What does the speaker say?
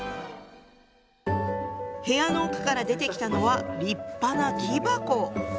部屋の奥から出てきたのは立派な木箱。